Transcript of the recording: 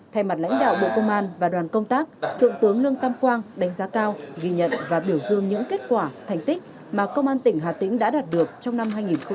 thay mặt lãnh đạo bộ công an và đoàn công tác thượng tướng lương tam quang đánh giá cao ghi nhận và biểu dương những kết quả thành tích mà công an tỉnh hà tĩnh đã đạt được trong năm hai nghìn hai mươi ba